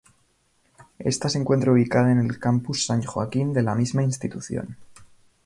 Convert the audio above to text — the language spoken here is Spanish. Ésta se encuentra ubicada en el Campus San Joaquín de la misma institución.